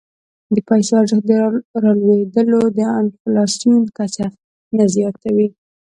د پیسو ارزښت رالوېدل د انفلاسیون کچه نه زیاتوي.